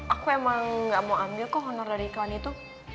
aku emang gak mau ambil kok honor dari kawan itu